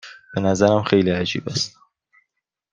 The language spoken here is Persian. به نظرم خیلی عجیب است.